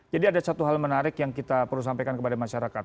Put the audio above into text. jadi ada satu hal menarik yang kita perlu sampaikan kepada masyarakat